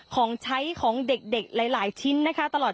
ของใช้ของเด็กหลายชิ้นนะคะตลอด